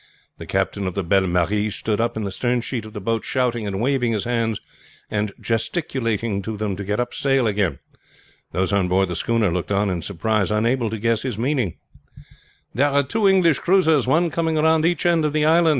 The captain of the Belle Marie stood up in the stern sheet of the boat, shouting and waving his hands and gesticulating to them to get up sail again. Those on board the schooner looked on in surprise, unable to guess his meaning. "There are two English cruisers, one coming round each end of the island!"